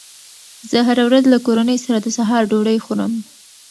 زه هره ورځ له کورنۍ سره د سهار ډوډۍ خورم